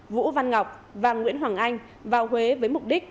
vũ văn ngọc và nguyễn hoàng anh vào huế với mục đích